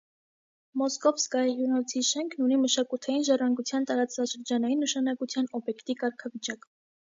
«Մոսկովսկայա» հյուրանոցի շենքն ունի մշակութային ժառանգության տարածաշրջանային նշանակության օբյեկտի կարգավիճակ։